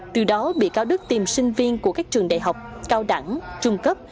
từ đó bị cáo đức tìm sinh viên của các trường đại học cao đẳng trung cấp